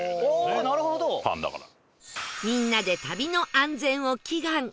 みんなで旅の安全を祈願